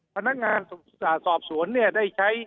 พนักงานสอบสวนเนี่ยได้ใช้